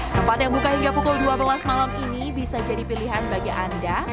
tempat yang buka hingga pukul dua belas malam ini bisa jadi pilihan bagi anda